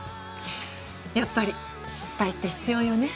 やっぱり失敗って必要よね。